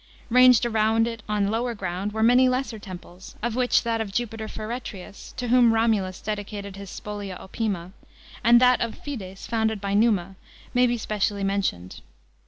Ranged around it on lower ground were many lesser temples, of which that of Jupiter Feretri us, to whom Romulus dedicated his spolia opima, and that of Fides founded by Numa, may bf ppeci ally mentioned.